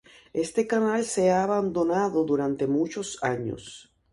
Este canal se ha abandonado durante muchos años.